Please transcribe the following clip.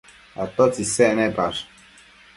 atotsi isec nepash?